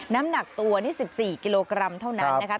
น้ำหนักตัวนี่๑๔กิโลกรัมเท่านั้นนะคะ